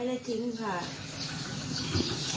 ไม่ได้ทิ้งค่ะ